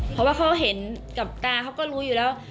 เพราะว่าเขาเห็นกับตาเขาก็รู้อยู่แล้ว